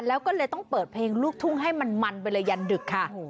แล้วก็เลยต้องเปิดเพลงลูกทุ่งให้มันมันไปเลยยันดึกค่ะ